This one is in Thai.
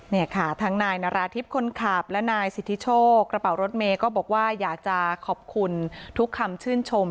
เนี่ยค่ะทางน้านสิทธิโชคกระเป๋ารถเมบอกว่าอยากจะขอบคุณทุกคำชื่นชม